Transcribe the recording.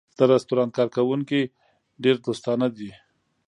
د رستورانت کارکوونکی ډېر دوستانه دی.